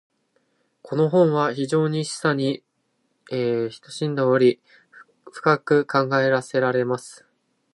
•この本は非常に示唆に富んでおり、深く考えさせられます。